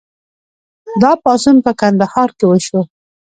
دا پاڅون په کندهار کې وشو.